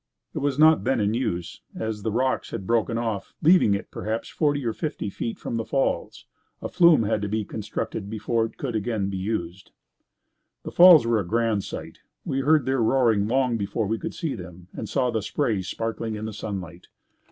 It was not then in use, as the rocks had broken off, leaving it perhaps forty or fifty feet from the Falls. A flume had to be constructed before it could again be used. The Falls were a grand sight. We heard their roaring long before we could see them and saw the spray sparkling in the sunlight.